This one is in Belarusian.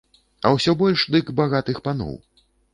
А ўсё больш дык багатых паноў.